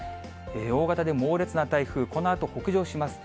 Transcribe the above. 大型で猛烈な台風、このあと北上します。